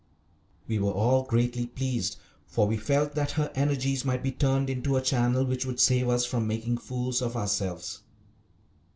We were all greatly pleased, for we felt that her energies might be turned into a channel which would save us from making fools of ourselves.